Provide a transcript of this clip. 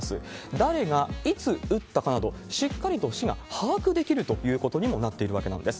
誰がいつ打ったかなど、しっかりと市が把握できるということにもなっているわけなんです。